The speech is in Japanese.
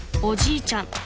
［おじいちゃん